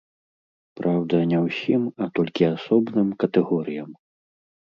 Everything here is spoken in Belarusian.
Праўда, не ўсім, а толькі асобным катэгорыям.